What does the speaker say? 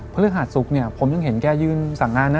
พฤหาสุขผมยังเห็นแกยืนสั่งงานนะ